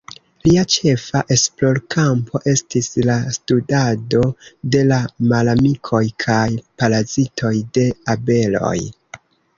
Lia ĉefa esplorkampo estis la studado de la malamikoj kaj parazitoj de abeloj.